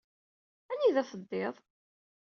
Anida teddiḍ?